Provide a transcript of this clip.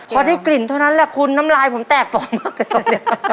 เพราะนี่กลิ่นเท่านั้นแหละคุณน้ำลายผมแตกผอมมากไตระ